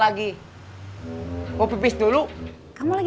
tapi kenapa kemarin mah kamu sombong